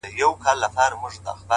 د ښویېدلي سړي لوري د هُدا لوري؛